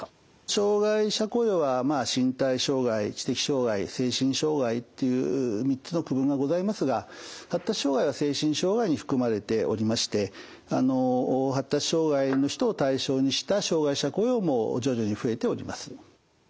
障害者雇用は身体障害知的障害精神障害という３つの区分がございますが発達障害は精神障害に含まれておりまして発達障害の人を対象にした障害者雇用も徐々に増えております。